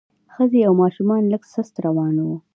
ښځې او ماشومان لږ سست روان وو.